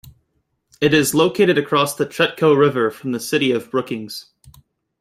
It is located across the Chetco River from the city of Brookings.